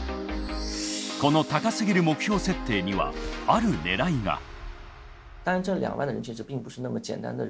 この高すぎる目標設定にはある狙いが。